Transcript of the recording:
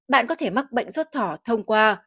bạn có thể mắc bệnh sốt thỏ thông qua